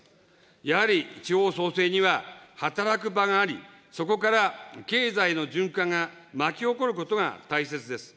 やはり地方創生には、働く場があり、そこから経済の循環が巻き起こることが大切です。